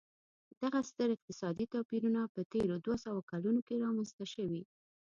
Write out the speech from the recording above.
دغه ستر اقتصادي توپیرونه په تېرو دوه سوو کلونو کې رامنځته شوي.